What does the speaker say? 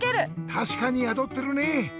たしかにやどってるね！